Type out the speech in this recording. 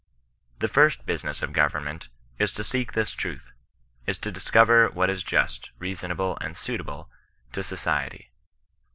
" The first business of government is to seek this truth, is to discover what is just, reasonable, and suitable to so ciety.